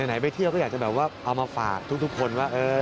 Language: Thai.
ไหนไปเที่ยวก็อยากจะแบบว่าเอามาฝากทุกคนว่า